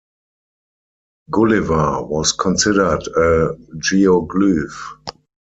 "Gulliver" was considered a geoglyph.